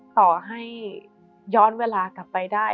ต่อให้ย้อนเวลากลับไปได้